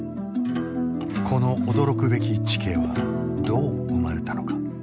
この驚くべき地形はどう生まれたのか？